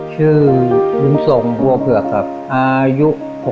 ชื่อบุญส่งบัวเผือกครับอายุ